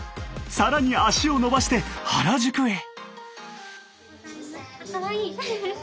更に足を延ばして原宿へ。